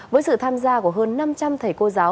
với sự tham gia của hơn năm trăm linh thầy cô giáo